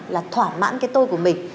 là thỏa mãn cái tôi của mình